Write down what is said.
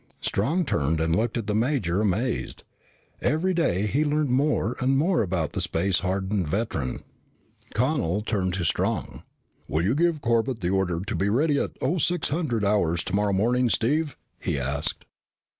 Strong turned and looked at the major, amazed. Every day he learned more and more about the space hardened veteran. Connel turned to Strong. "Will you give Corbett the order to be ready at 0600 hours tomorrow morning, Steve?" he asked.